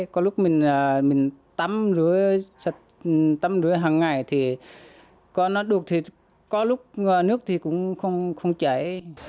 có lúc mình tắm rưới hàng ngày thì có nó đục thì có lúc nước thì cũng không chảy